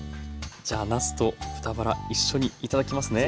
じゃあなすと豚バラ一緒に頂きますね。